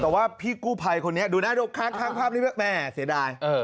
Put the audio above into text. แต่ว่าพี่กู้ภัยคนนี้ดูนะดูข้างภาพนี้แม่เสียดาย